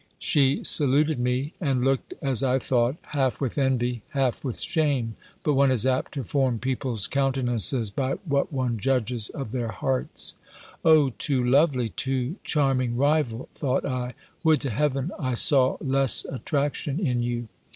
She saluted me, and looked, as I thought, half with envy, half with shame: but one is apt to form people's countenances by what one judges of their hearts. "O too lovely, too charming rival!" thought I "Would to heaven I saw less attraction in you!"